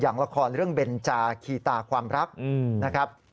ละครเรื่องเบนจาคีตาความรักนะครับ